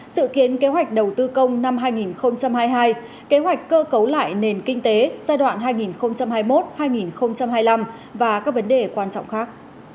sự kiến kế hoạch đầu tư công năm hai nghìn hai mươi hai kế hoạch cơ cấu lại nền kinh tế giai đoạn hai nghìn hai mươi một hai nghìn hai mươi năm và các vấn đề quan trọng khác